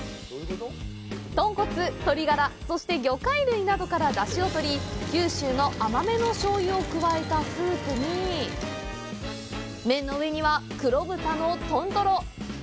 豚骨、鶏ガラ、そして魚介類などから出汁を取り九州の甘めの醤油を加えたスープに麺の上には黒豚の豚トロ！